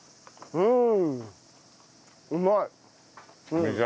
うん。